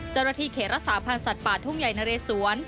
เจ้าหน้าที่เขตรักษาพันธ์สัตว์ป่าทุ่งใหญ่นะเรสวน